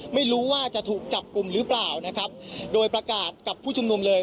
ไม่รู้ว่าจะถูกจับกลุ่มหรือเปล่านะครับโดยประกาศกับผู้ชุมนุมเลย